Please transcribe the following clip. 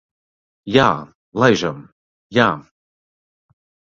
Jā, laižam. Jā.